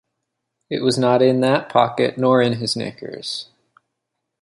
It was not in that pocket, nor in his knickers.